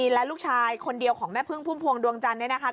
และลูกชายคนเดียวของแม่พึ่งพุ่มพวงดวงจันทร์เนี่ยนะคะ